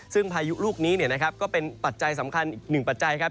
ซึ่งพายุลูกนี้ก็เป็นปัจจัยสำคัญอีกหนึ่งปัจจัยครับ